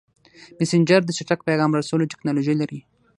مسېنجر د چټک پیغام رسولو ټکنالوژي لري.